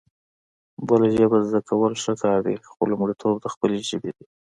بله ژبه زده کول ښه کار دی خو لومړيتوب د خپلې ژبې وي